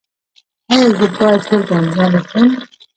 ایا زه باید تور بانجان وخورم؟